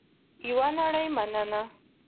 یوه نړۍ مننه